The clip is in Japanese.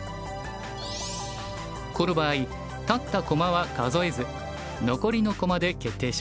この場合立った駒は数えず残りの駒で決定します。